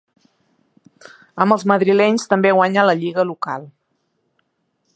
Amb els madrilenys també guanya la lliga local.